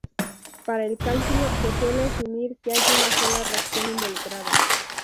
Para el cálculo, se suele asumir que hay una sola reacción involucrada.